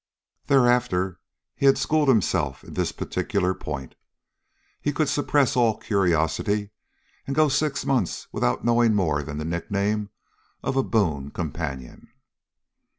Thereafter he had schooled himself in this particular point. He could suppress all curiosity and go six months without knowing more than the nickname of a boon companion.